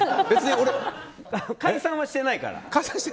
別に解散はしてないから。